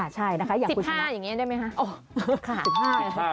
๑๕อย่างนี้ได้ไหมคะ